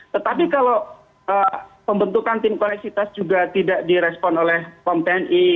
tetapi kalau pembentukan tim koneksitas juga tidak direspon oleh pom tni